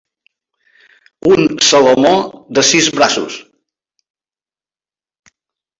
Un salomó de sis braços.